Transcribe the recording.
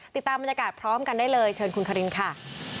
ติดตามบรรยากาศพร้อมกันได้เลยเชิญคุณคารินค่ะ